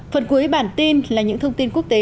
phần cuối bản tin là những thông tin quốc tế